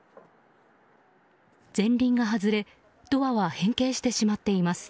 前輪が外れドアは変形してしまっています。